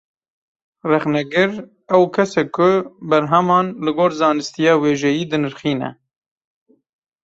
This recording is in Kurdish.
Rexnegir, ew kes e ku berheman, li gor zanistiya wêjeyî dinirxîne